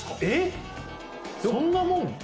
えっそんなもん？